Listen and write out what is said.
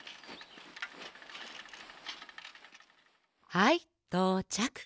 はいとうちゃく。